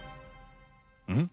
うん？